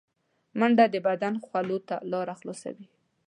منډه د بدن خولو ته لاره خلاصوي